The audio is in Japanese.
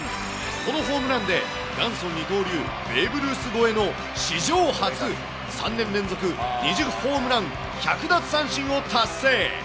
このホームランで、元祖二刀流、ベーブ・ルース超えの史上初、３年連続２０ホームラン１００奪三振を達成。